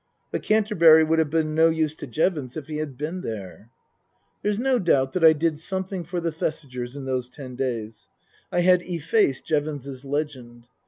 But Canterbury would have been no use to Jevons if he had been there. There's no doubt that I did something for the Thesigers in those ten days. I had effaced Jevons's legend.